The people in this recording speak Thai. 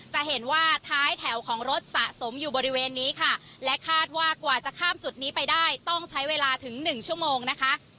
จะเห็นว่าท้ายแถวของรถสะสมอยู่บริเวณนี้ค่ะและคาดว่ากว่าจะข้ามจุดนี้ไปได้ต้องใช้เวลาถึงหนึ่งชั่วโมงนะคะ